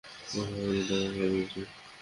এভাবেই আমি টাকা কামিয়েছি।